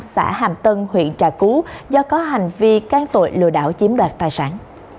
xã hàm tân huyện trà cú do có hành vi can tội lừa đảo chiếm đoạt tài sản